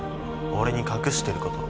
俺に隠してること。